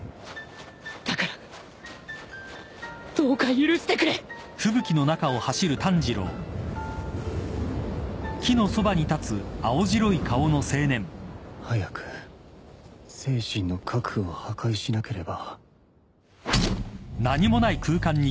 だからどうか許してくれ早く精神の核を破壊しなければ。